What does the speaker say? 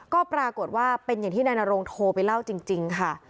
ก็ปรากฏว่าเป็นอย่างที่นายนโรงโทรไปเล่าจริงค่ะ